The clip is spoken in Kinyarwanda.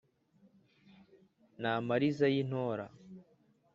N' Amariza y' i Ntora,